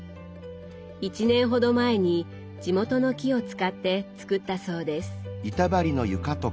１年ほど前に地元の木を使って作ったそうです。